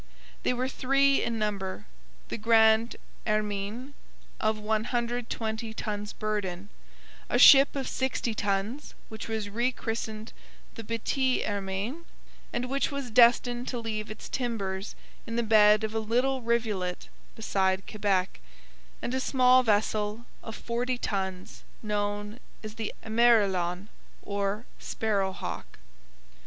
They were three in number the Grande Hermine of 120 tons burden; a ship of 60 tons which was rechristened the Petite Hermine, and which was destined to leave its timbers in the bed of a little rivulet beside Quebec, and a small vessel of 40 tons known as the Emerillon or Sparrow Hawk.